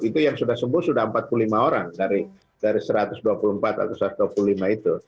itu yang sudah sembuh sudah empat puluh lima orang dari satu ratus dua puluh empat atau satu ratus dua puluh lima itu